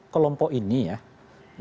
kelompok ini ya